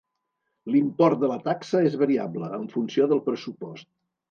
L'import de la taxa és variable, en funció del pressupost.